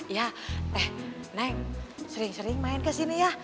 ya eh neng sering sering main kesini ya